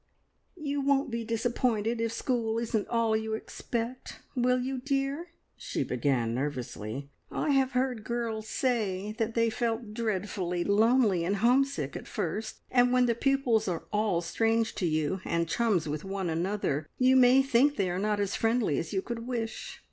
"You won't be disappointed if school isn't all you expect, will you, dear?" she began nervously. "I have heard girls say that they felt dreadfully lonely and homesick at first, and when the pupils are all strange to you, and chums with one another, you may think they are not as friendly as you could wish.